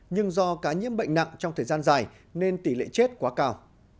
nhưng do cá nhiễm bệnh nặng trong thời gian dài nên tỷ lệ chết quá cao